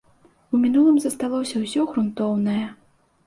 У мінулым засталося ўсё грунтоўнае.